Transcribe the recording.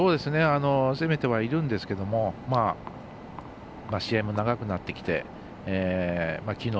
攻めてはいるんですけど試合も長くなってきてきのう